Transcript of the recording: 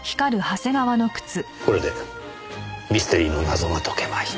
これでミステリーの謎が解けました。